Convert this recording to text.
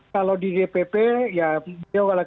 kalau di dpp ya beliau